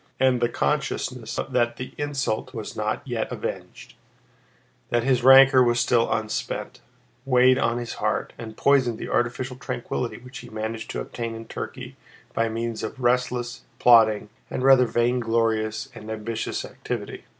And the consciousness that the insult was not yet avenged, that his rancor was still unspent, weighed on his heart and poisoned the artificial tranquillity which he managed to obtain in Turkey by means of restless, plodding, and rather vainglorious and ambitious activity.